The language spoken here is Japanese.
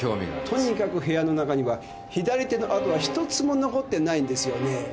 とにかく部屋の中には左手の跡はひとつも残ってないんですよね。